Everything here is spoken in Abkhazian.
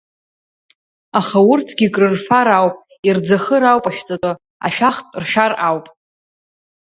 Аха урҭгьы крырфар ауп, ирӡахыр ауп ашәҵатәы, ашәахтә ршәар ауп.